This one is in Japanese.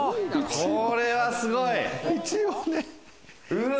これはすごい！